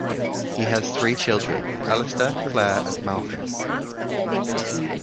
He has three children, Alastair, Claire, and Malcolm.